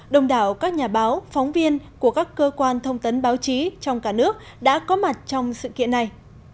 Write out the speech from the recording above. đồng đảo các nhà báo phóng viên của các cơ quan thông tấn báo chí trong cả nước đã có mặt trong sự kiện này